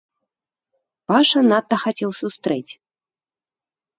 Паша надта хацеў сустрэць.